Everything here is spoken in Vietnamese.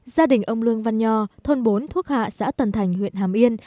gia đình ông lương văn nho thôn bốn thuốc hạ xã tần thành huyện hàm yên